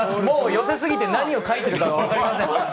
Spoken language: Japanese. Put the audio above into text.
もう寄せすぎて何を書いてるか分かりません。